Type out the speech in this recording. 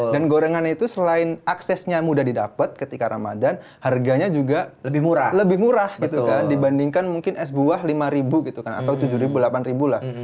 dan gorengannya itu selain aksesnya mudah didapet ketika ramadan harganya juga lebih murah dibandingkan mungkin es buah lima ribu atau tujuh ribu delapan ribu lah